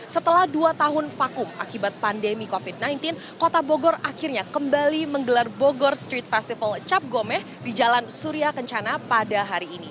setelah dua tahun vakum akibat pandemi covid sembilan belas kota bogor akhirnya kembali menggelar bogor street festival cap gomeh di jalan surya kencana pada hari ini